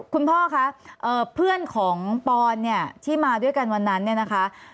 พ่อคะเพื่อนของปอนเนี่ยที่มาด้วยกันวันนั้นเนี่ยนะคะ